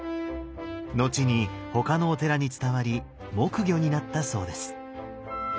後に他のお寺に伝わり木魚になったそうです。